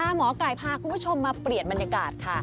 หมอไก่พาคุณผู้ชมมาเปลี่ยนบรรยากาศค่ะ